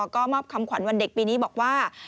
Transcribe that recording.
ก็มอบคำขวัญวันเด็กปีนี้บอกว่า